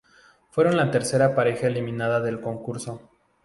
Fueron la tercera pareja eliminada del concurso.